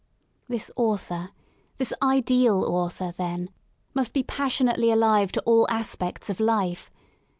This author^ — this ideal author^— then, must be passionately alive to all aspects of life.